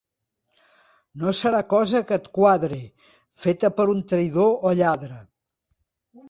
No serà cosa que et quadre, feta per un traïdor o lladre.